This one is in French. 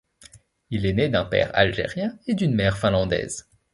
Il est né d'un père algérien et d'une mère finlandaise.